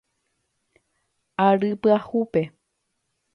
Ary Pyahúpe.